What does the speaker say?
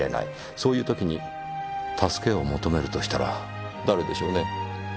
そういう時に助けを求めるとしたら誰でしょうね？